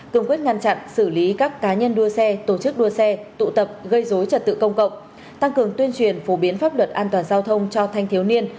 cường quyết ngăn chặn xử lý các cá nhân đua xe tổ chức đua xe tụ tập gây dối trật tự công cộng tăng cường tuyên truyền phổ biến pháp luật an toàn giao thông cho thanh thiếu niên